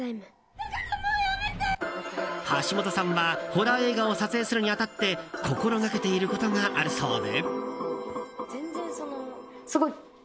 橋本さんはホラー映画を撮影するに当たって心がけていることがあるそうで。